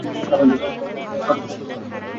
কতবার ফোন করার চেষ্টা করেছি আমি?